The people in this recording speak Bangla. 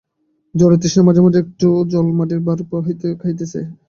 জ্বরের তৃষ্ণায় মাঝে মাঝে একটু একটু জল মাটির ভাঁড় হইতে খাইতেছে।